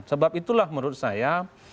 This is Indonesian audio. sebab menurut saya